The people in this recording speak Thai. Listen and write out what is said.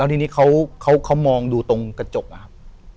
แล้วทีนี้เค้ามองดูตรงกระจกครับ